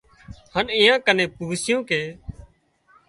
هانَ ايئان ڪن پوسِيُون ڪي